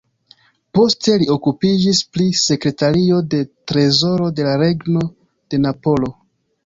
Poste li okupiĝis pri sekretario de trezoro de la Regno de Napolo.